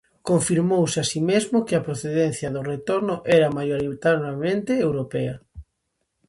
Confirmouse así mesmo que a procedencia do retorno era maioritariamente europea.